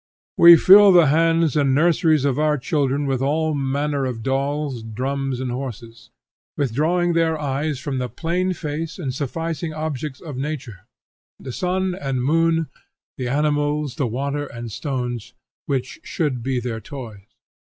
We fill the hands and nurseries of our children with all manner of dolls, drums, and horses; withdrawing their eyes from the plain face and sufficing objects of nature, the sun, and moon, the animals, the water, and stones, which should be their toys.